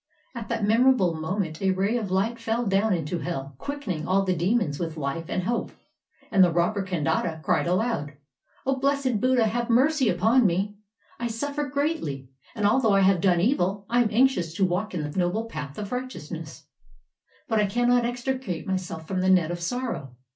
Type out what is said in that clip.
At that memorable moment a ray of light fell down into hell quickening all the demons with life and hope, and the robber Kandata cried aloud : '0 blessed Buddha, have mercy upon me! I suffer greatly, and although I have done evil, I am anxious to walk in the noble path of righteousness. But I can ' A long period of time, an aeon, 55 INDIA not extricate myself from the net of sorrow.